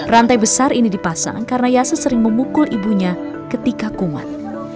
rantai besar ini dipasang karena yase sering memukul ibunya ketika kumat